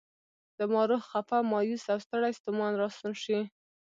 زما روح خفه، مایوس او ستړی ستومان راستون شي.